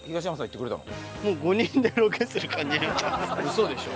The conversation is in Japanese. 嘘でしょ？